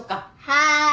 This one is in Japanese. はい。